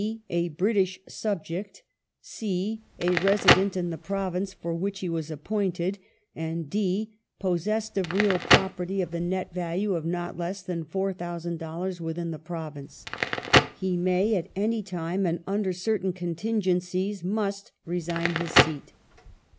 362 COLONIAL AND FOREIGN POLICY [1864 thirty years ; (6) a British subject ; (c) a resident in the Province for which he was appointed, and (d) possessed of real property of the nett value of not less than four thousand dollars within the Province. He may at any time, and under certain contingencies must, resign his seat.